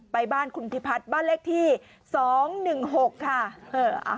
ไปบ้านคุณพิพัฒน์บ้านเลขที่๒๑๖ค่ะ